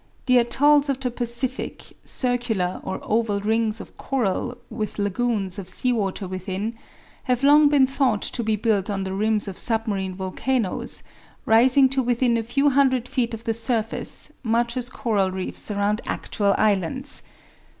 The atolls of the Pacific circular or oval rings of coral with lagunes of sea water within have long been thought to be built on the rims of submarine volcanoes, rising to within a few hundred feet of the surface, much as coral reefs around actual islands.